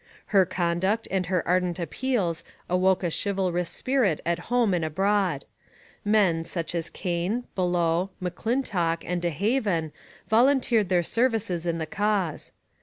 Her conduct and her ardent appeals awoke a chivalrous spirit at home and abroad; men such as Kane, Bellot, M'Clintock and De Haven volunteered their services in the cause.